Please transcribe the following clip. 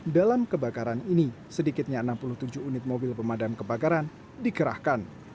dalam kebakaran ini sedikitnya enam puluh tujuh unit mobil pemadam kebakaran dikerahkan